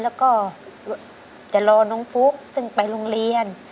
แล้วก็จะรอน้องฟุ๊กซึ่งไปโรงเรียน